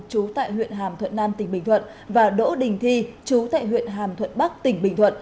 chú tại huyện hàm thuận nam tỉnh bình thuận và đỗ đình thi chú tại huyện hàm thuận bắc tỉnh bình thuận